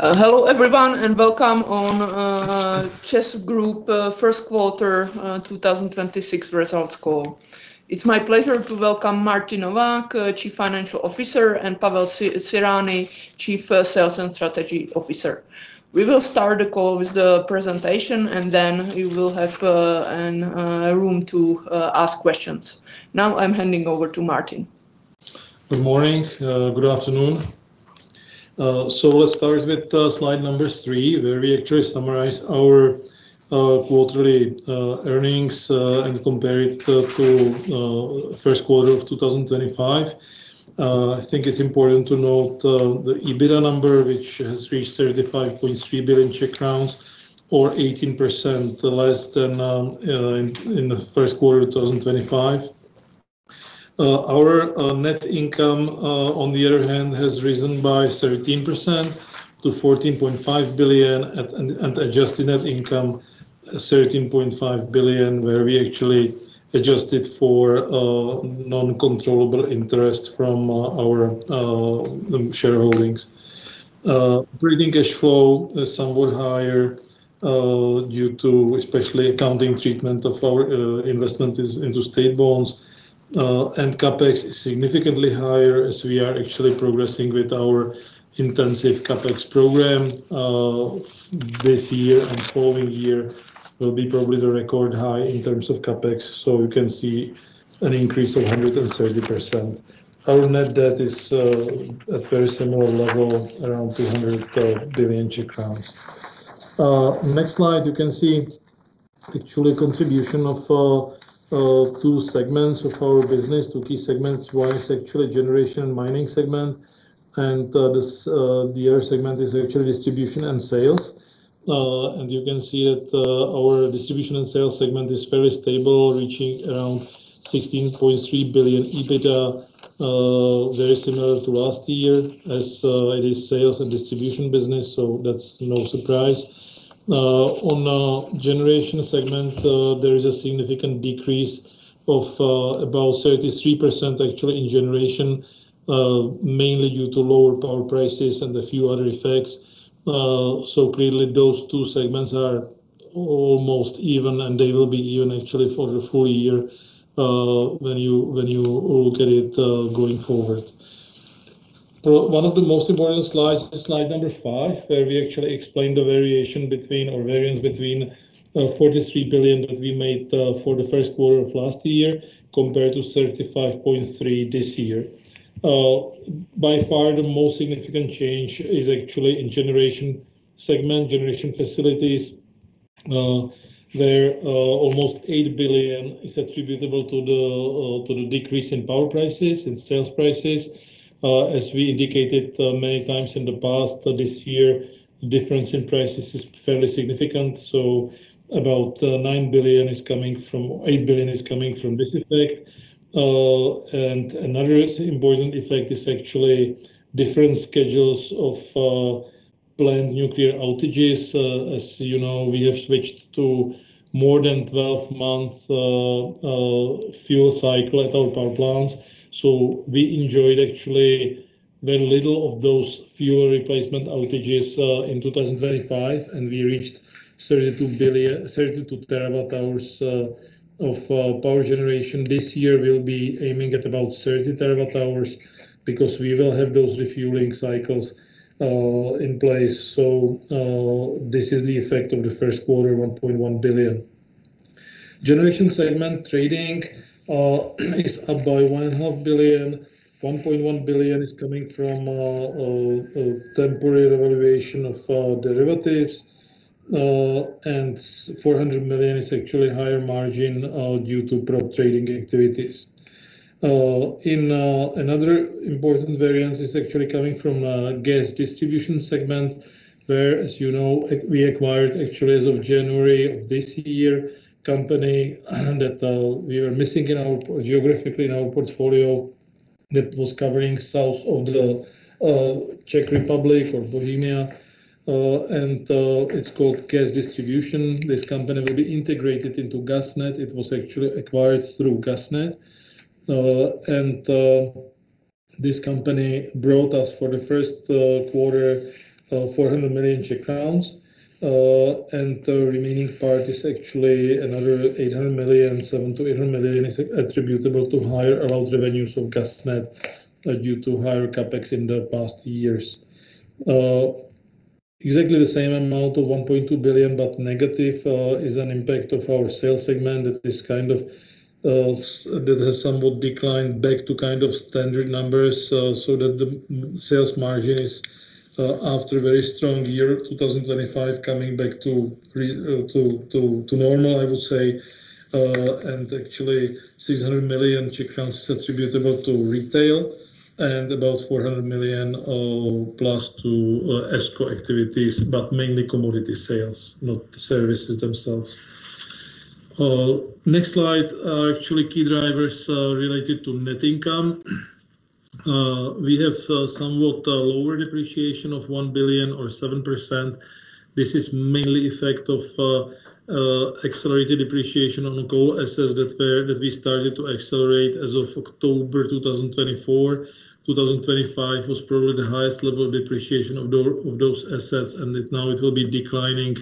Hello everyone and welcome on ČEZ Group first quarter 2026 results call. It's my pleasure to welcome Martin Novák, Chief Financial Officer, and Pavel Cyrani, Chief Sales and Strategy Officer. We will start the call with the presentation and then we will have room to ask questions. Now, I'm handing over to Martin. Good morning. Good afternoon. Let's start with slide number three, where we actually summarize our quarterly earnings and compare it to first quarter of 2025. I think it's important to note the EBITDA number, which has reached 35.3 billion Czech crowns or 18% less than in the first quarter of 2025. Our net income on the other hand, has risen by 13% to 14.5 billion and adjusted net income, 13.5 billion, where we actually adjusted for non-controllable interest from our shareholdings. Operating cash flow is somewhat higher due to especially accounting treatment of our investments into state bonds. CapEx is significantly higher as we are actually progressing with our intensive CapEx program. This year and following year will be probably the record high in terms of CapEx. You can see an increase of 130%. Our net debt is at very similar level, around 200 billion Czech crowns. Next slide you can see actually contribution of two segments of our business. Two key segments. One is actually Generation Mining segment, the other segment is actually Distribution and Sales. You can see that our Distribution and Sales segment is fairly stable, reaching around 16.3 billion EBITDA, very similar to last year as it is sales and distribution business, that's no surprise. On Generation segment, there is a significant decrease of about 33% actually in generation, mainly due to lower power prices and a few other effects. Clearly those two segments are almost even, and they will be even actually for the full year, when you look at it going forward. One of the most important slides is slide five, where we actually explain the variation between or variance between 43 billion that we made for the first quarter of last year, compared to 35.3 billion this year. By far the most significant change is actually in Generation segment, generation facilities. Where almost 8 billion is attributable to the decrease in power prices and sales prices. As we indicated, many times in the past, this year, difference in prices is fairly significant. About 8 billion is coming from this effect. Another important effect is actually different schedules of planned nuclear outages. As you know, we have switched to more than 12 months fuel cycle at our power plants. We enjoyed actually very little of those fuel replacement outages in 2025. We reached 32 TWh of power generation. This year, we will be aiming at about 30 TWh because we will have those refueling cycles in place. This is the effect of the first quarter, 1.1 billion. Generation segment trading is up by 1.5 billion. 1.1 billion is coming from temporary revaluation of derivatives. 400 million is actually higher margin due to prop trading activities. Another important variance is actually coming from Gas Distribution segment, where, as you know, we acquired actually as of January of this year, company that we were missing in our, geographically in our portfolio that was covering south of the Czech Republic or Bohemia. It's called Gas Distribution. This company will be integrated into GasNet. It was actually acquired through GasNet. This company brought us for the first quarter 400 million Czech crowns. The remaining part is actually another 800 million, 700 million-800 million is attributable to higher allowed revenues from GasNet due to higher CapEx in the past years. Exactly the same amount of 1.2 billion, but negative, is an impact of our sales segment that has somewhat declined back to kind of standard numbers, so that the sales margin is after a very strong year, 2025, coming back to normal, I would say. Actually CZK 600 million is attributable to retail and about 400 million plus to ESCO activities, but mainly commodity sales, not the services themselves. Next slide, actually key drivers related to net income. We have somewhat lower depreciation of 1 billion or 7%. This is mainly effect of accelerated depreciation on coal assets that we started to accelerate as of October 2024. 2025 was probably the highest level of depreciation of those assets, and it now it will be declining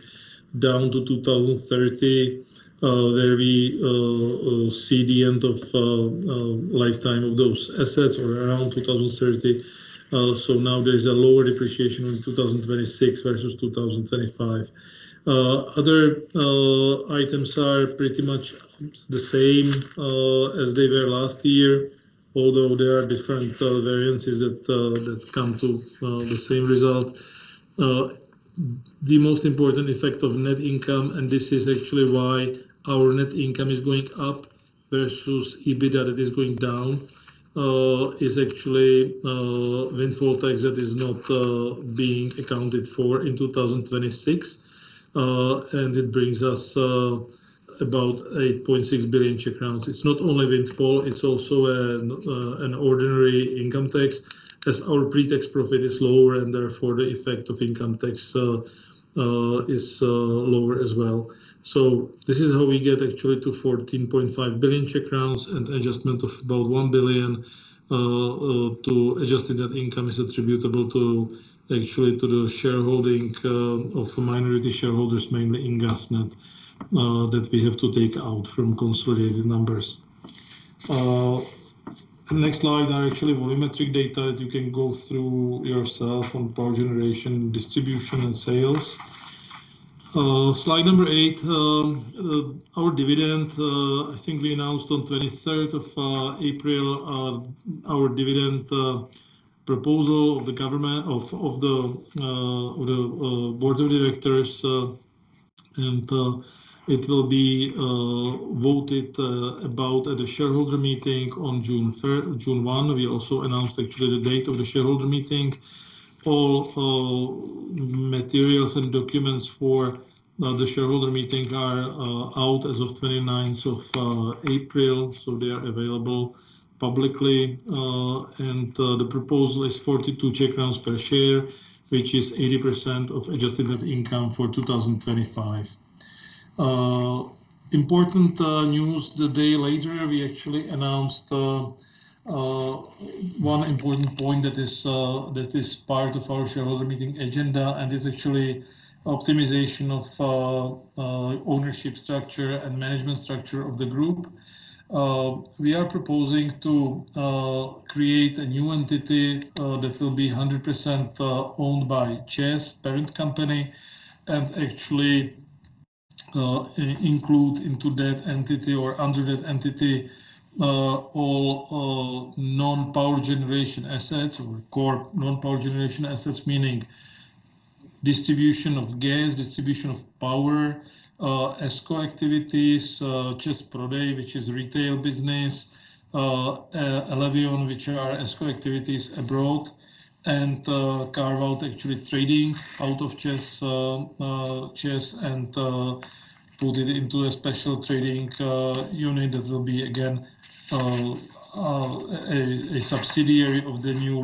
down to 2030. There we see the end of lifetime of those assets or around 2030. Now there is a lower depreciation in 2026 versus 2025. Other items are pretty much the same as they were last year, although there are different variances that come to the same result. The most important effect of net income, and this is actually why our net income is going up versus EBITDA that is going down, is actually windfall tax that is not being accounted for in 2026. It brings us about 8.6 billion Czech crowns. It's not only windfall, it's also an ordinary income tax, as our pre-tax profit is lower and therefore the effect of income tax is lower as well. This is how we get actually to 14.5 billion and adjustment of about 1 billion to adjusting that income is attributable to actually to the shareholding of minority shareholders, mainly in GasNet, that we have to take out from consolidated numbers. Next slide are actually volumetric data that you can go through yourself on power generation, distribution and sales. Slide number eight, our dividend, I think we announced on 23rd of April, our dividend proposal of the government of the Board of Directors. It will be voted about at the shareholder meeting on June 1. We also announced actually the date of the shareholder meeting. All materials and documents for the shareholder meeting are out as of 29th of April, they are available publicly. The proposal is 42 per share, which is 80% of adjusted net income for 2025. Important news the day later, we actually announced one important point that is part of our shareholder meeting agenda and is actually optimization of ownership structure and management structure of the group. We are proposing to create a new entity that will be 100% owned by ČEZ parent company and actually include into that entity or under that entity all non-power generation assets or core non-power generation assets. Meaning distribution of gas, distribution of power, ESCO activities, ČEZ Prodej, which is retail business. Elevion, which are ESCO activities abroad. Carve out actually trading out of ČEZ and put it into a special trading unit that will be again a subsidiary of the new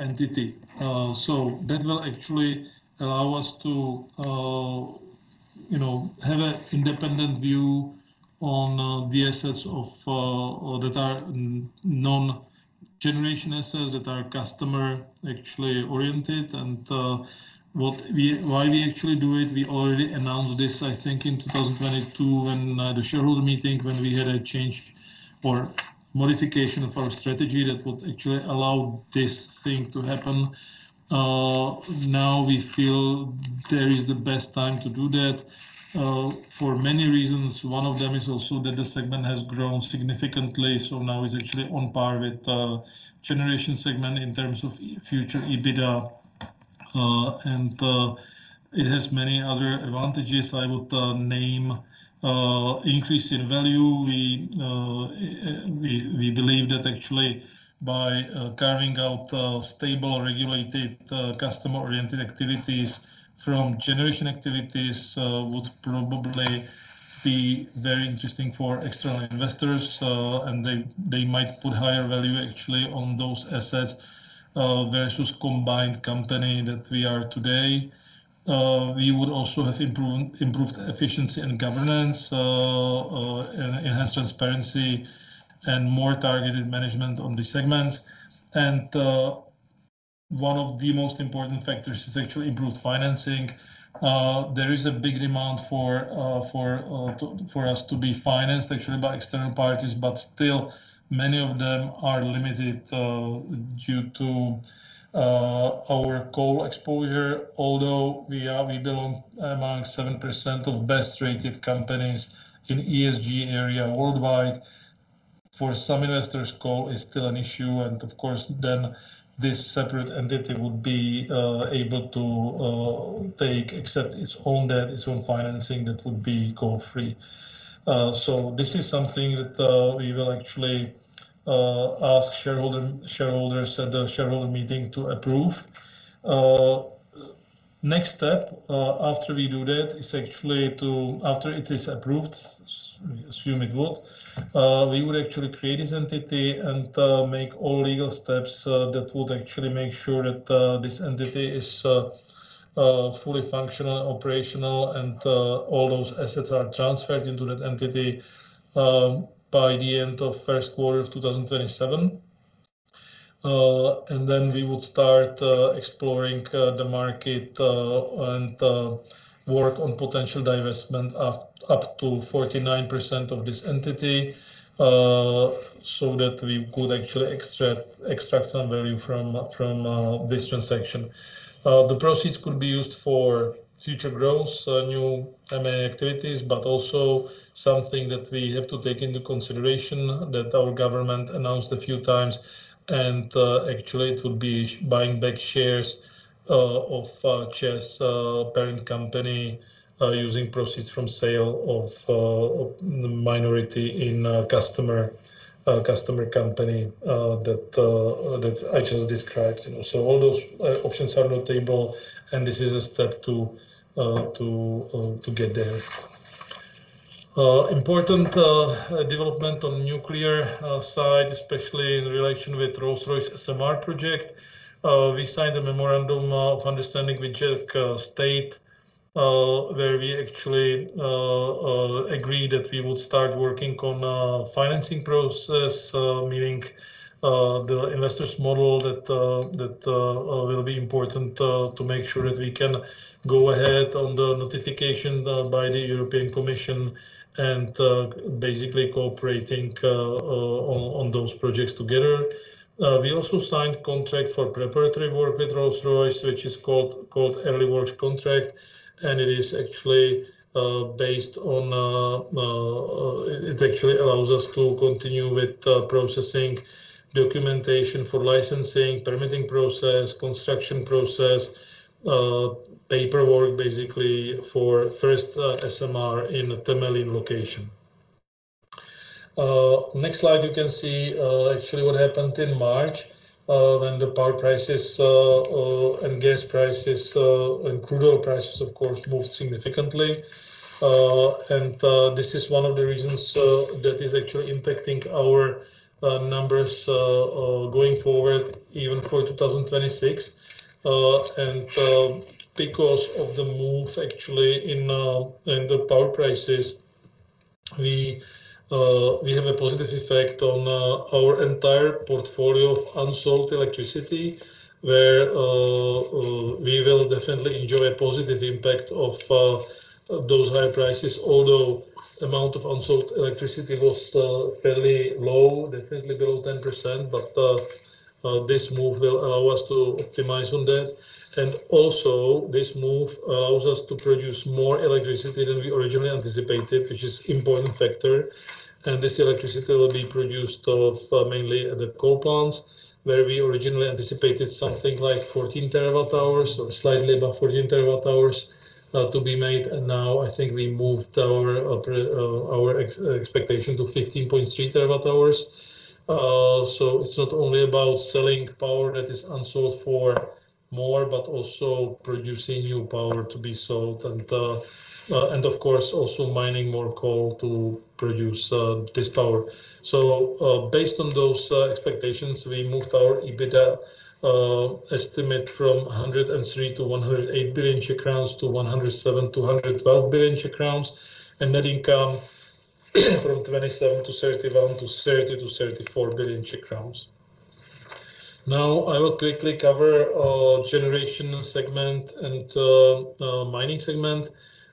entity. So that will actually allow us to, you know, have a independent view on the assets of, or that are non-generation assets that are customer actually oriented. Why we actually do it, we already announced this, I think, in 2022 when the shareholder meeting, when we had a change or modification of our strategy that would actually allow this thing to happen. Now we feel there is the best time to do that for many reasons. One of them is also that the segment has grown significantly, so now is actually on par with generation segment in terms of future EBITDA. It has many other advantages. I would name increase in value. We believe that actually by carrying out stable, regulated, customer-oriented activities from generation activities, would probably be very interesting for external investors. They might put higher value actually on those assets versus combined company that we are today. We would also have improved efficiency and governance, enhance transparency and more targeted management on these segments. One of the most important factors is actually improved financing. There is a big demand for us to be financed actually by external parties, but still many of them are limited due to our coal exposure. Although we are, we belong among 7% of best rated companies in ESG area worldwide. For some investors, coal is still an issue and of course then this separate entity would be able to take, accept its own debt, its own financing that would be coal free. This is something that we will actually ask shareholders at the shareholder meeting to approve. Next step, after we do that is actually to, after it is approved, we assume it would. We would actually create this entity and make all legal steps that would actually make sure that this entity is fully functional, operational, and all those assets are transferred into that entity by the end of first quarter of 2027. Then we would start exploring the market and work on potential divestment up to 49% of this entity so that we could actually extract some value from this transaction. The proceeds could be used for future growth, so new M&A activities, something that we have to take into consideration that our government announced a few times, and actually it would be buying back shares of ČEZ parent company using proceeds from sale of the minority in a customer company that I just described. All those options are on the table, and this is a step to get there. Important development on nuclear side, especially in relation with Rolls-Royce SMR project. We signed a memorandum of understanding with Czech state where we actually agreed that we would start working on a financing process meaning the investors model that will be important to make sure that we can go ahead on the notification by the European Commission and basically cooperating on those projects together. We also signed contract for preparatory work with Rolls-Royce, which is called Early Work Contract, and it is actually based on it actually allows us to continue with processing documentation for licensing, permitting process, construction process, paperwork basically for first SMR in the Temelín location. Next slide, you can see, actually what happened in March, when the power prices, and gas prices, and crude oil prices of course, moved significantly. This is one of the reasons that is actually impacting our numbers going forward even for 2026. Because of the move actually in the power prices, we have a positive effect on our entire portfolio of unsold electricity, where we will definitely enjoy a positive impact of those higher prices, although amount of unsold electricity was fairly low, definitely below 10%. This move will allow us to optimize on that. Also, this move allows us to produce more electricity than we originally anticipated, which is important factor. This electricity will be produced of mainly the coal plants, where we originally anticipated something like 14 TWh or slightly above 14 TWh to be made. Now I think we moved our expectation to 15.3 TWh. It's not only about selling power that is unsold for more, but also producing new power to be sold and of course, also mining more coal to produce this power. Based on those expectations, we moved our EBITDA estimate from 103 billion-108 billion Czech crowns to 107 billion-112 billion Czech crowns. Net income from 27 billion-31 billion to 30 billion-34 billion Czech crowns. Now I will quickly cover Generation segment and Mining segment.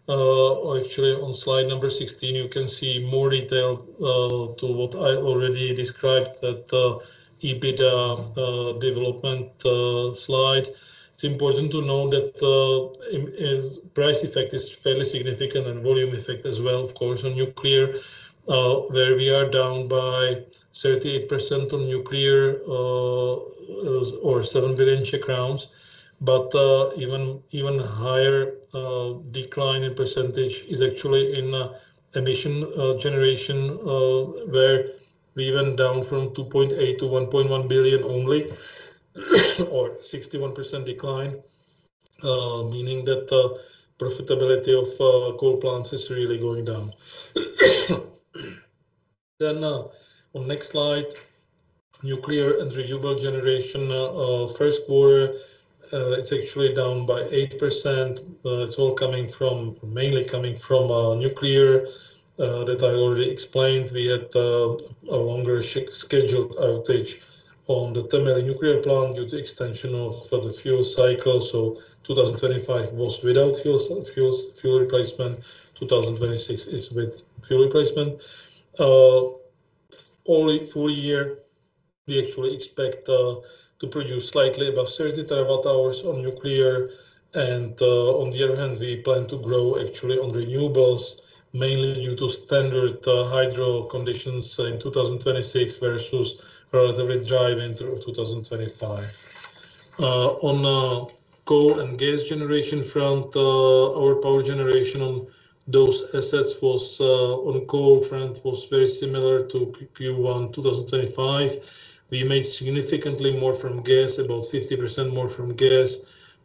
Actually on slide number 16, you can see more detail to what I already described at EBITDA development slide. It's important to know that price effect is fairly significant and volume effect as well, of course, on nuclear, where we are down by 38% on nuclear, or 7 billion. Even higher decline in percentage is actually in emission generation, where we went down from 2.8 billion to 1.1 billion only, or 61% decline. Meaning that the profitability of coal plants is really going down. On next slide, nuclear and renewable generation, first quarter, it's actually down by 8%. It's all coming from, mainly coming from nuclear, that I already explained. We had a longer scheduled outage on the Temelín nuclear plant due to extension of the fuel cycle. 2025 was without fuel replacement. 2026 is with fuel replacement. Only full year we actually expect to produce slightly above 30 TWh on nuclear. On the other hand, we plan to grow actually on renewables, mainly due to standard hydro conditions in 2026 versus relatively dry winter of 2025. On coal and gas generation front, our power generation on those assets was on coal front was very similar to Q1 2025. We made significantly more from gas, about 50% more from gas,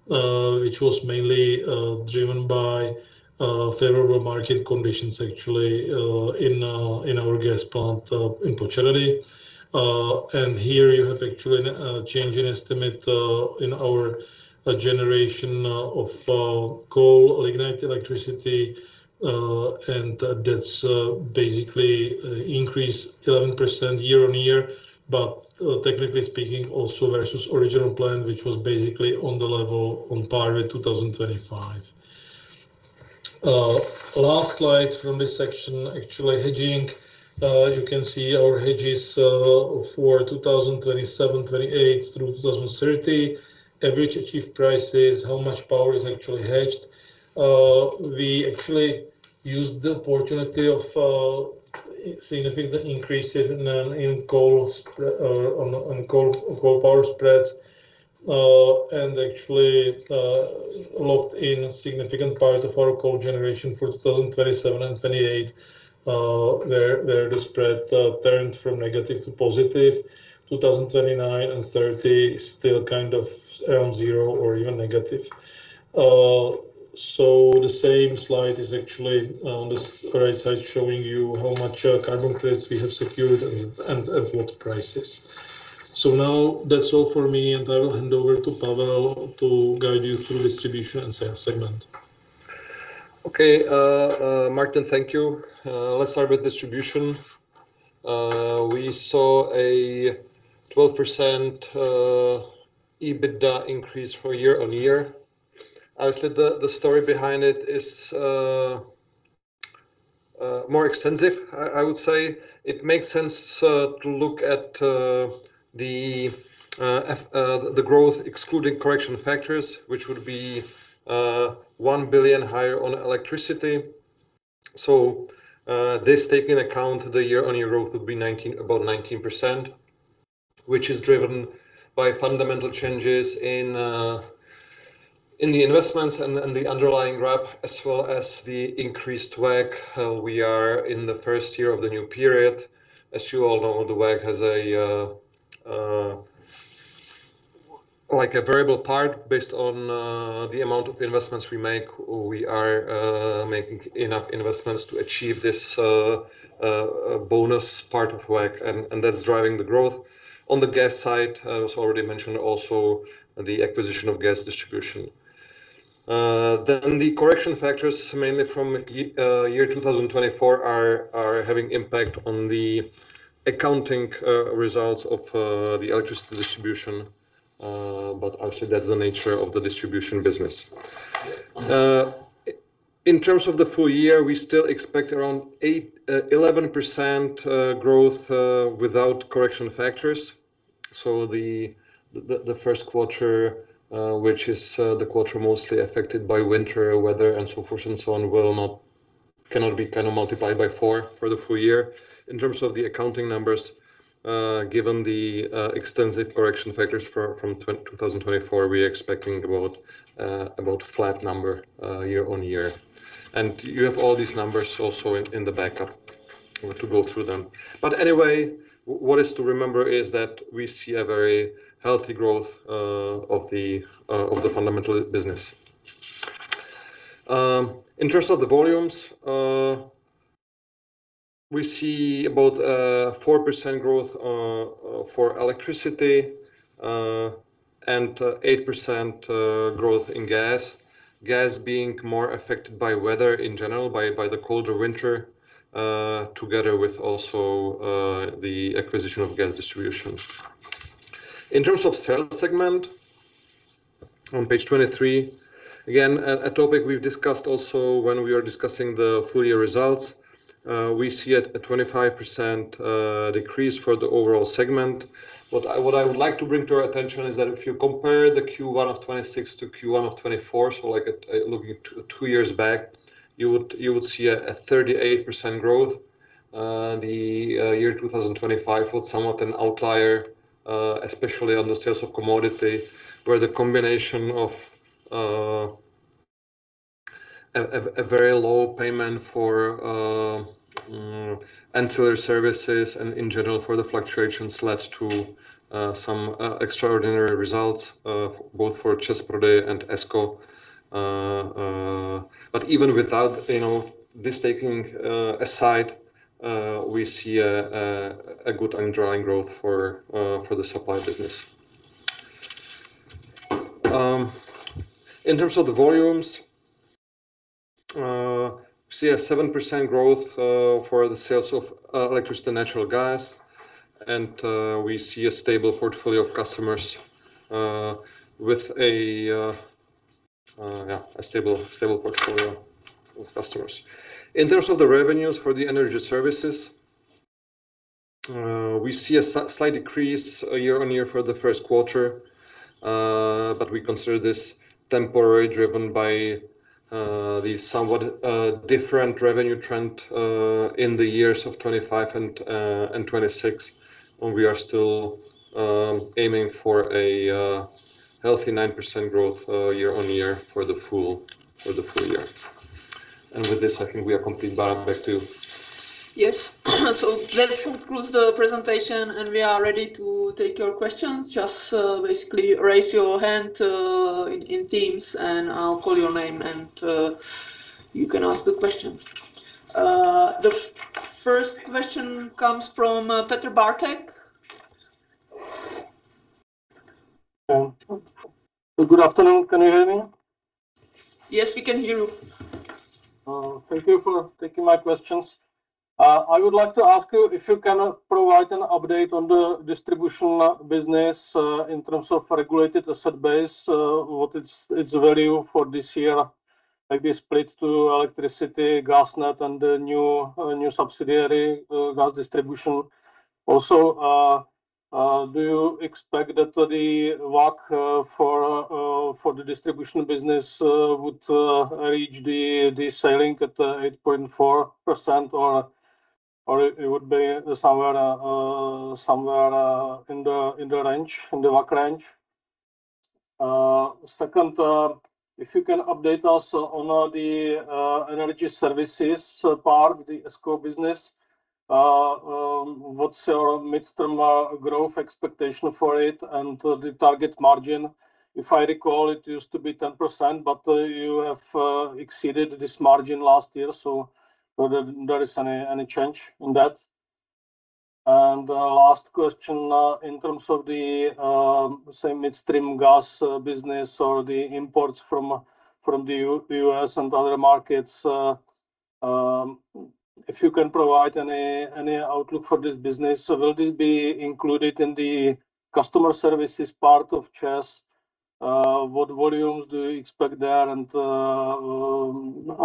which was mainly driven by favorable market conditions actually in our gas plant in Počerady. Here you have actually an change in estimate in our generation of coal-ignited electricity. That's basically increase 11% year-on-year. Technically speaking, also versus original plan, which was basically on the level on par with 2025. Last slide from this section, actually hedging. You can see our hedges for 2027, 2028 through 2030. Average achieved prices, how much power is actually hedged. We actually used the opportunity of significant increases in coal power spreads. Actually locked in a significant part of our coal generation for 2027 and 2028, where the spread turned from negative to positive. 2029 and 2030 still kind of around zero or even negative. The same slide is actually on this right side showing you how much carbon credits we have secured and at what prices. Now that's all for me, and I will hand over to Pavel to guide you through Distribution and Sales segment. Okay. Martin, thank you. Let's start with distribution. We saw a 12% EBITDA increase for year-on-year. Actually, the story behind it is more extensive, I would say. It makes sense to look at the growth excluding correction factors, which would be 1 billion higher on electricity. This take in account the year-on-year growth would be about 19%, which is driven by fundamental changes in the investments and the underlying RAB as well as the increased WACC. We are in the first year of the new period. As you all know, the WACC has a like a variable part based on the amount of investments we make. We are making enough investments to achieve this bonus part of WACC, and that's driving the growth. On the gas side, as already mentioned also the acquisition of Gas Distribution. The correction factors mainly from year 2024 are having impact on the accounting results of the electricity distribution. Actually that's the nature of the distribution business. In terms of the full year, we still expect around 11% growth without correction factors. The first quarter, which is the quarter mostly affected by winter weather and so forth and so on cannot be kind of multiplied by four for the full year. In terms of the accounting numbers, given the extensive correction factors from 2024, we are expecting about flat number year-on-year. You have all these numbers also in the backup to go through them. Anyway, what is to remember is that we see a very healthy growth of the fundamental business. In terms of the volumes, we see about 4% growth for electricity and 8% growth in gas. Gas being more affected by weather in general by the colder winter, together with also the acquisition of Gas Distribution. In terms of sales segment, on page 23, again, a topic we've discussed also when we are discussing the full year results. We see a 25% decrease for the overall segment. What I would like to bring to your attention is that if you compare the Q1 of 2026 to Q1 of 2024, so looking two years back, you would see a 38% growth. The year 2025 was somewhat an outlier, especially on the sales of commodity, where the combination of a very low payment for ancillary services and in general for the fluctuations led to some extraordinary results, both for ČEZ Prodej and ESCO. Even without, you know, this taking aside, we see a good underlying growth for the supply business. In terms of the volumes, we see a 7% growth for the sales of electricity and natural gas. We see a stable portfolio of customers with a stable portfolio of customers. In terms of the revenues for the energy services, we see a slight decrease year on year for the first quarter. We consider this temporary driven by the somewhat different revenue trend in the years of 2025 and 2026 when we are still aiming for a healthy 9% growth year on year for the full year. With this, I think we are complete. [Bára], back to you. Yes. That concludes the presentation, and we are ready to take your questions. Just basically raise your hand in Teams, and I'll call your name, and you can ask the question. The first question comes from Petr Bartek. Good afternoon. Can you hear me? Yes, we can hear you. Thank you for taking my questions. I would like to ask you if you can provide an update on the distribution business, in terms of regulated asset base, what its value for this year, maybe split to electricity, GasNet, and the new subsidiary, Gas Distribution. Also, do you expect that the WACC for the Distribution business would reach the ceiling at 8.4%, or it would be somewhere in the WACC range? Second, if you can update us on the energy services part, the ESCO business. What's your midterm growth expectation for it and the target margin? If I recall, it used to be 10%, but you have exceeded this margin last year. Whether there is any change in that? Last question, in terms of the say, midstream gas business or the imports from the U.S. and other markets, if you can provide any outlook for this business. Will this be included in the customer services part of ČEZ? What volumes do you expect there?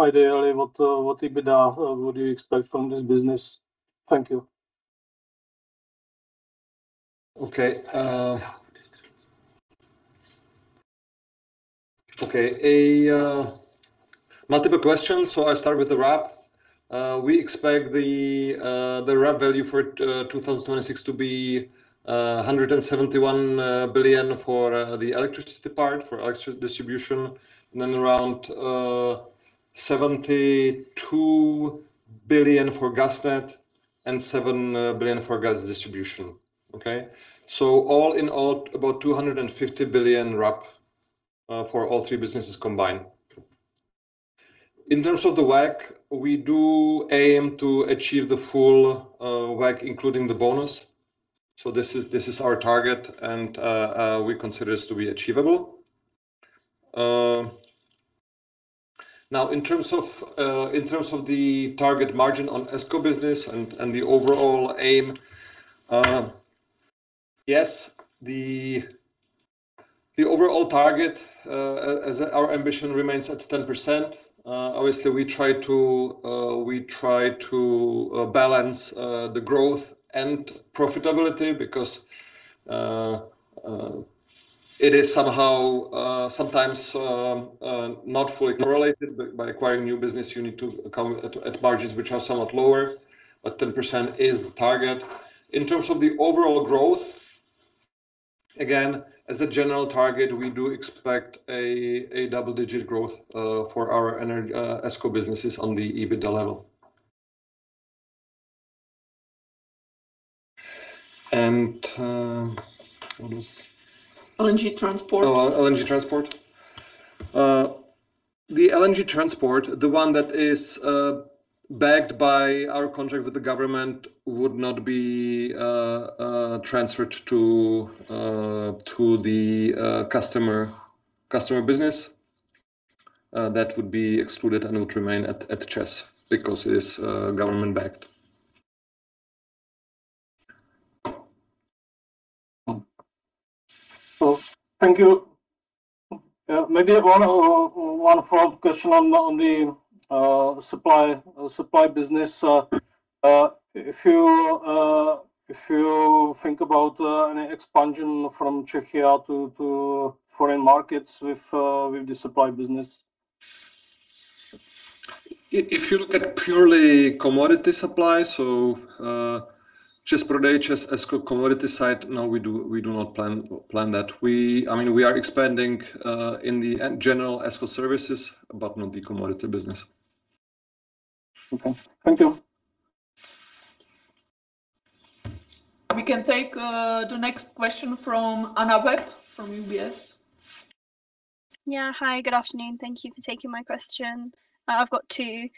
Ideally, what EBITDA would you expect from this business? Thank you. Okay. Multiple questions, I'll start with the RAB. We expect the RAB value for 2026 to be 171 billion for the electricity part, for electric distribution, and around 72 billion for GasNet and 7 billion for Gas Distribution. Okay. All in all, about 250 billion RAB for all three businesses combined. In terms of the WACC, we do aim to achieve the full WACC, including the bonus. This is our target, we consider this to be achievable. Now in terms of the target margin on ESCO business and the overall aim, the overall target as our ambition remains at 10%. Obviously, we try to balance the growth and profitability because it is somehow sometimes not fully correlated. By acquiring new business, you need to come at margins which are somewhat lower, but 10% is the target. In terms of the overall growth, again, as a general target, we do expect a double-digit growth for our ESCO businesses on the EBITDA level. LNG transport. Oh, LNG transport. The LNG transport, the one that is backed by our contract with the government, would not be transferred to the customer business. That would be excluded and would remain at ČEZ because it is government-backed. Thank you. Maybe one follow-up question on the Supply business. If you think about any expansion from Czechia to foreign markets with the Supply business? If you look at purely commodity supply, so, ČEZ Prodej, ČEZ ESCO commodity side, no, we do not plan that. I mean, we are expanding in the general ESCO services, but not the commodity business. Okay. Thank you. We can take the next question from Anna Webb from UBS. Yeah. Hi, good afternoon. Thank you for taking my question. I've got two.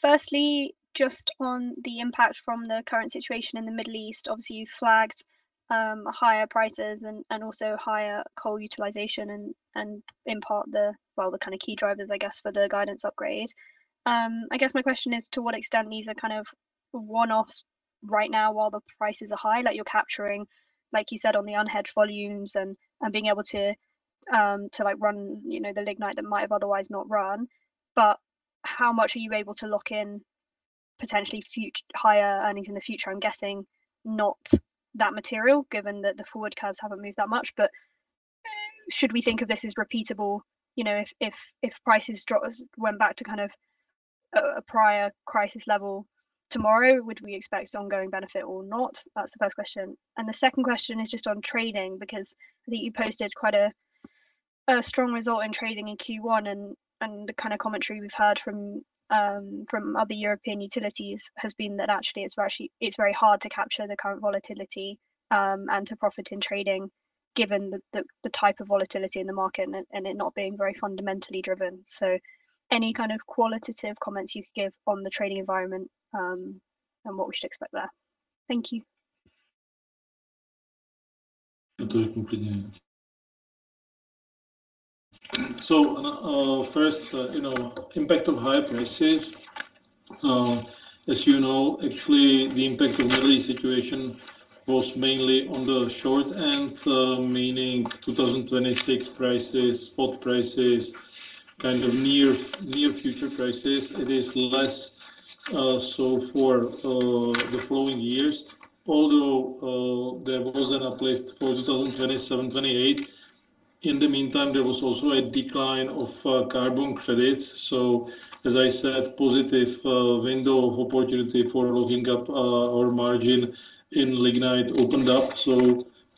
Firstly, just on the impact from the current situation in the Middle East. Obviously, you flagged higher prices and also higher coal utilization and in part the, well, the kind of key drivers, I guess, for the guidance upgrade. I guess my question is to what extent these are kind of one-offs right now while the prices are high, like you're capturing, like you said, on the unhedged volumes and being able to, like, run, you know, the lignite that might have otherwise not run. How much are you able to lock in Potentially higher earnings in the future, I'm guessing not that material, given that the forward curves haven't moved that much. Should we think of this as repeatable? You know, if prices went back to kind of a prior crisis level tomorrow, would we expect ongoing benefit or not? That's the first question. The second question is just on trading, because I think you posted quite a strong result in trading in Q1. The kind of commentary we've heard from other European utilities has been that actually it's very hard to capture the current volatility and to profit in trading given the type of volatility in the market and it not being very fundamentally driven. Any kind of qualitative comments you could give on the trading environment and what we should expect there. Thank you. First, you know, impact of high prices. As you know, actually, the impact of Middle East situation was mainly on the short end, meaning 2026 prices, spot prices, kind of near near future prices. It is less so for the following years, although there was an uplift for 2027, 2028. In the meantime, there was also a decline of carbon credits. As I said, positive window of opportunity for looking up our margin in lignite opened up.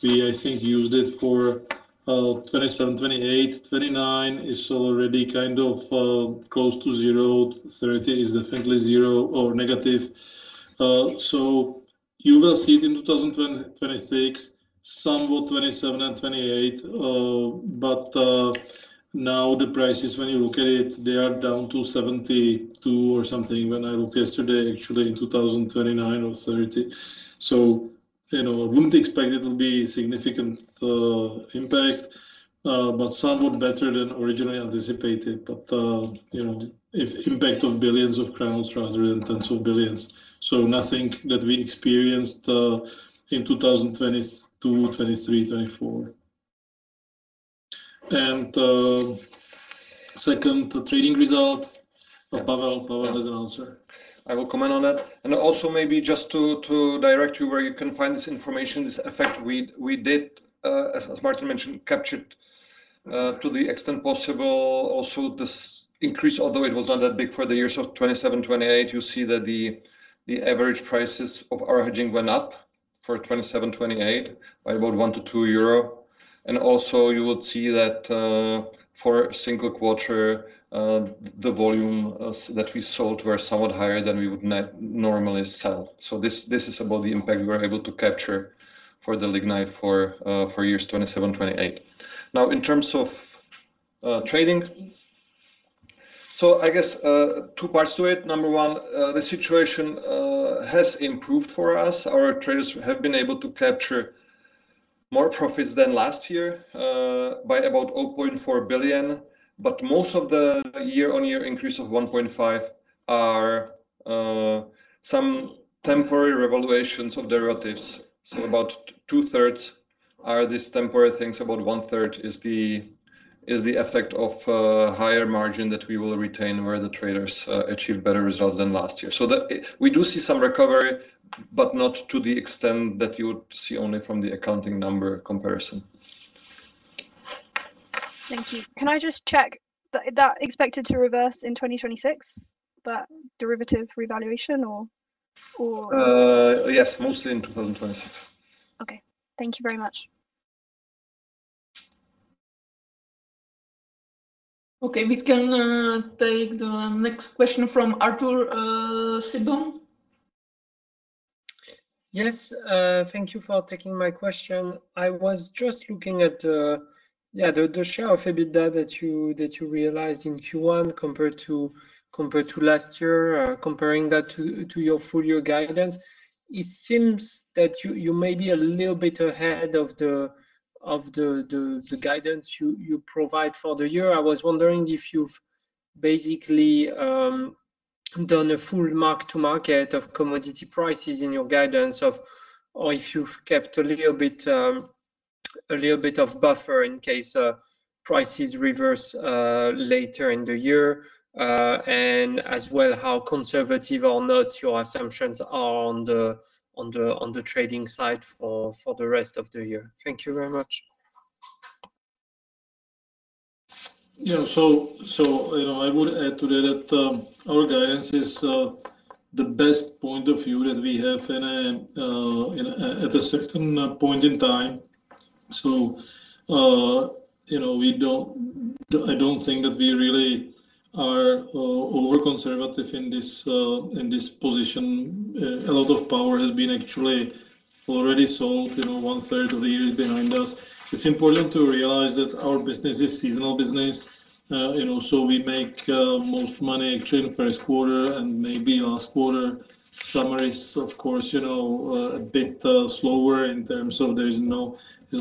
We, I think, used it for 2027, 2028. 2029 is already kind of close to zero. 2030 is definitely zero or negative. You will see it in 2026, somewhat 2027 and 2028. Now the prices, when you look at it, they are down to 72/MWh or something when I looked yesterday, actually in 2029 or 2030. You know, I wouldn't expect it'll be significant impact, but somewhat better than originally anticipated. You know, if impact of billions of crowns rather than tens of billions of crowns, nothing that we experienced in 2022, 2023, 2024. Second, the trading result. Pavel has an answer. I will comment on that. Maybe just to direct you where you can find this information, this effect we did, as Martin mentioned, captured to the extent possible. This increase, although it was not that big for the years of 2027-2028, you see that the average prices of our hedging went up for 2027-2028 by about 1 to 2 euro. Also you would see that for a single quarter, the volume that we sold were somewhat higher than we would normally sell. This is about the impact we were able to capture for the lignite for years 2027-2028. Now in terms of trading, I guess two parts to it. Number one, the situation has improved for us. Our traders have been able to capture more profits than last year, by about 0.4 billion. Most of the year-on-year increase of 1.5 billion are some temporary revaluations of derivatives. About two-thirds are these temporary things. About one-third is the effect of higher margin that we will retain where the traders achieved better results than last year. That we do see some recovery, but not to the extent that you would see only from the accounting number comparison. Thank you. Can I just check that expected to reverse in 2026, that derivative revaluation? yes, mostly in 2026. Okay. Thank you very much. Okay. We can take the next question from Arthur Sitbon. Thank you for taking my question. I was just looking at the share of EBITDA that you realized in Q1 compared to last year, comparing that to your full year guidance. It seems that you may be a little bit ahead of the guidance you provide for the year. I was wondering if you've basically done a full mark to market of commodity prices in your guidance or if you've kept a little bit of buffer in case prices reverse later in the year. As well, how conservative or not your assumptions are on the trading side for the rest of the year. Thank you very much. Yeah. You know, I would add to that, our guidance is the best point of view that we have in at a certain point in time. You know, I don't think that we really are over-conservative in this position. A lot of power has been actually already sold. You know, one-third of the year is behind us. It's important to realize that our business is seasonal business. You know, we make most money actually in the first quarter and maybe last quarter. Summer is, of course, you know, a bit slower in terms of there's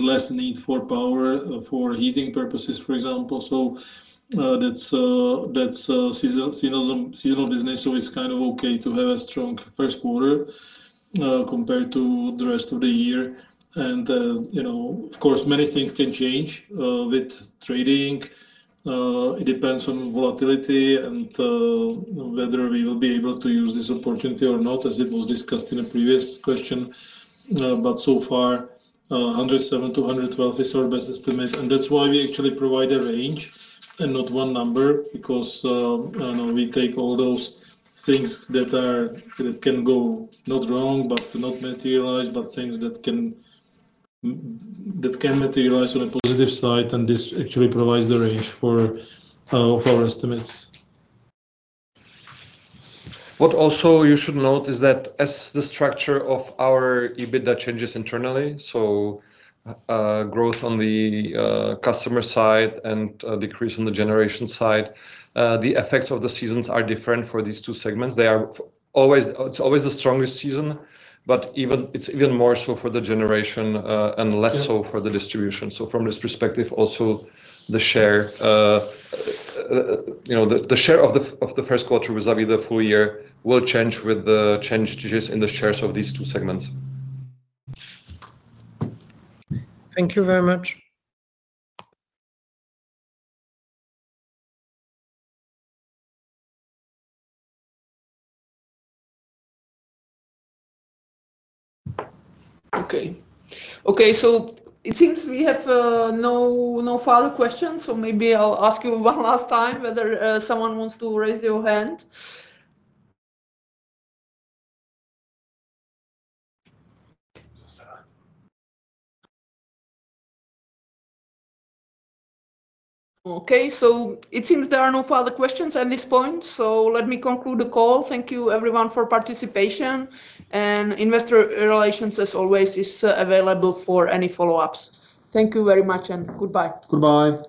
less need for power for heating purposes, for example. That's seasonal business. It's kind of okay to have a strong first quarter, no, compared to the rest of the year. You know, of course, many things can change with trading. It depends on volatility and whether we will be able to use this opportunity or not, as it was discussed in a previous question. So far, 107 billion-112 billion is our best estimate, and that's why we actually provide a range and not one number because we take all those things that are that can go not wrong, but not materialize, but things that can materialize on a positive side, and this actually provides the range for our estimates. What also you should note is that as the structure of our EBITDA changes internally, so, growth on the customer side and, decrease on the generation side, the effects of the seasons are different for these two segments. It's always the strongest season, but even it's even more so for the generation [inaudible] and less so for the distribution. From this perspective also the share, you know, the share of the first quarter vis-a-vis the full year will change with the changes in the shares of these two segments. Thank you very much. Okay. It seems we have no further questions, so maybe I'll ask you one last time whether someone wants to raise your hand. Okay. It seems there are no further questions at this point, so let me conclude the call. Thank you everyone for participation, and investor relations, as always, is available for any follow-ups. Thank you very much and goodbye. Goodbye. Bye.